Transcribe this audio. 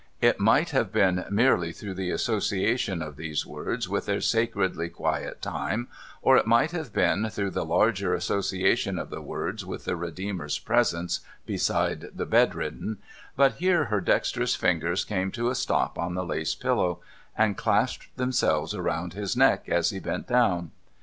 It might have been merely through the association of these words with their sacredly quiet time, or it might have been through the larger association of the words with the Redeemer's presence beside the bedridden ; but here her dexterous fingers came to a stop on the lace pillow, and clasped themselves around his neck as he bent down.